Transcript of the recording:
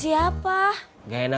gak enak sama temen seperjuangan sama aku